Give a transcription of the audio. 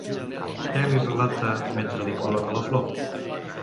Què li relata, mentre li col·loca la flor?